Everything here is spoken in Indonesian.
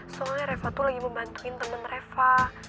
soalnya reva tuh lagi membantuin temen reva